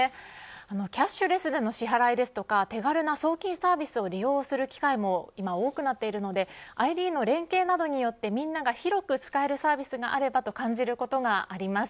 キャッシュレスでの支払いですとか手軽な送金サービスを利用する機会も今、多くなっているのでＩＤの連携によって、みんなが広く使えるサービスがあればと感じることがあります。